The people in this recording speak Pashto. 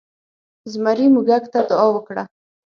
زمري موږک ته دعا وکړه.